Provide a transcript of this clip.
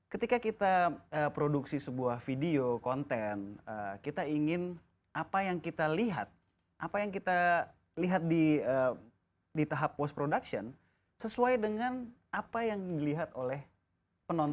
ketika kita produksi sebuah video konten kita ingin apa yang kita lihat apa yang kita lihat di tahap post production sesuai dengan apa yang dilihat oleh penonton